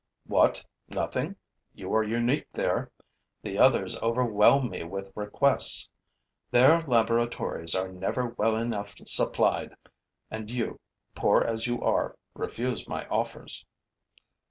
'What, nothing! You are unique there! The others overwhelm me with requests; their laboratories are never well enough supplied. And you, poor as you are, refuse my offers!'